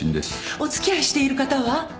お付き合いしている方は？